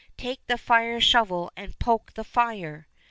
Take the fire shovel and poke the fire